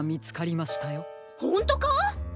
ほんとか？